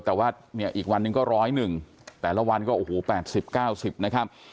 แต่ว่าเนี่ยอีกวันหนึ่งก็๑๐๑แต่ละวันก็โอ้โห๘๐๙๐นะครับ